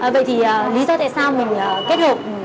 vậy thì lý do tại sao mình kết hợp